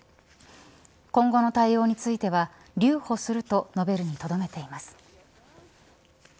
今後の対応については留保すると述べるにとどめています。